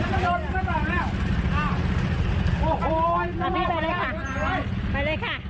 นะเดี๋ยวสวมชนิดหนึ่งสวญชีวิตเดือร์สวนเงียมเมื่อจบ